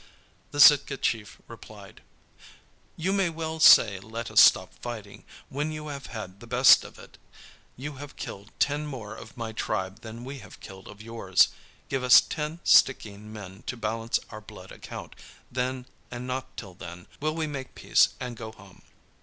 The Sitka chief replied:— "You may well say let us stop fighting, when you have had the best of it. You have killed ten more of my tribe than we have killed of yours. Give us ten Stickeen men to balance our blood account; then, and not till then, will we make peace and go home."